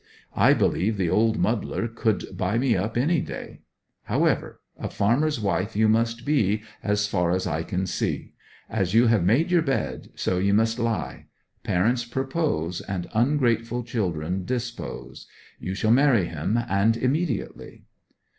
I believe the old muddler could buy me up any day. However, a farmer's wife you must be, as far as I can see. As you've made your bed, so ye must lie. Parents propose, and ungrateful children dispose. You shall marry him, and immediately.'